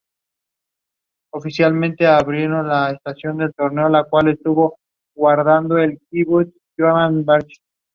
The "combination of future and past and present tense" appealed to Zedek.